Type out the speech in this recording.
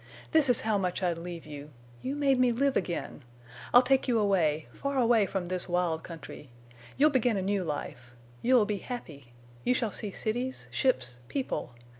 "This is how much I'd leave you! You made me live again! I'll take you away—far away from this wild country. You'll begin a new life. You'll be happy. You shall see cities, ships, people.